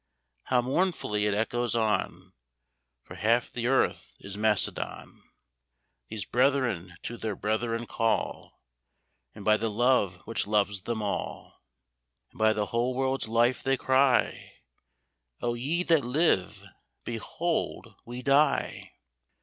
How mournfully it echoes on, For half the earth is Macedon; These brethren to their brethren call, And by the Love which loves them all, And by the whole world's Life they cry, "O ye that live, behold we die!"